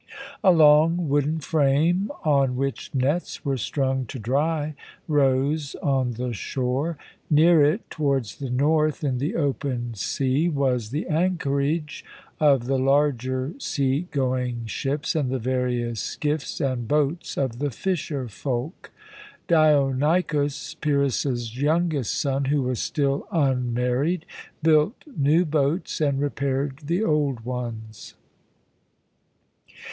A long wooden frame, on which nets were strung to dry, rose on the shore. Near it, towards the north, in the open sea, was the anchorage of the larger sea going ships and the various skiffs and boats of the fisher folk. Dionikos, Pyrrhus's youngest son, who was still unmarried, built new boats and repaired the old ones.